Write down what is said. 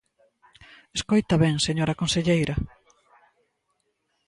Escoita ben, señora conselleira.